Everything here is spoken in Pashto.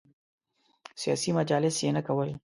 سیاسي مجالس یې نه کول.